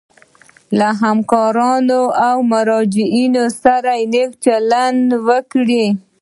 له همکارانو او مراجعینو سره نیک چلند وکړي.